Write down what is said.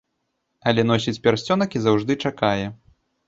Але носіць пярсцёнак і заўжды чакае.